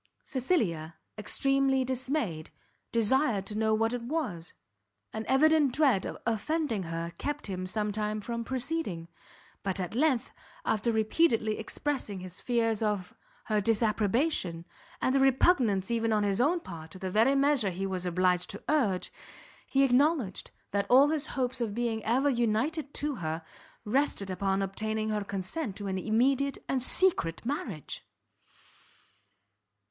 Cecilia, extremely dismayed, desired to know what it was; an evident dread of offending her kept him some time from proceeding, but at length, after repeatedly expressing his fears of her disapprobation, and a repugnance even on his own part to the very measure he was obliged to urge, he acknowledged that all his hopes of being ever united to her, rested upon obtaining her consent to an immediate and secret marriage.